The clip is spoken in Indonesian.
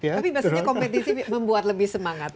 tapi biasanya kompetisi membuat lebih semangat